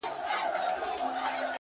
صبر چي تا د ژوند؛ د هر اړخ استاده کړمه؛